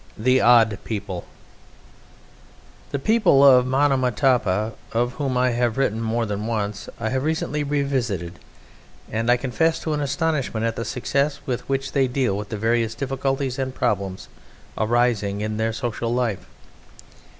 THE ODD PEOPLE The people of Monomotapa, of whom I have written more than once, I have recently revisited; and I confess to an astonishment at the success with which they deal with the various difficulties and problems arising in their social life.